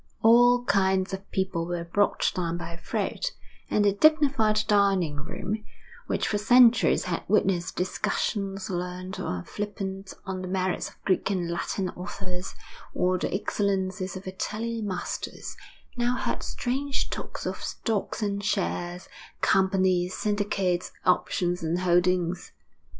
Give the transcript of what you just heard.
All kinds of people were brought down by Fred; and the dignified dining room, which for centuries had witnessed discussions, learned or flippant, on the merits of Greek and Latin authors, or the excellencies of Italian masters, now heard strange talk of stocks and shares, companies, syndicates, options and holdings.